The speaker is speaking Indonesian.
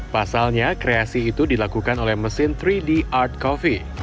pasalnya kreasi itu dilakukan oleh mesin tiga d art coffee